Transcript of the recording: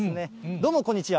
どうもこんにちは。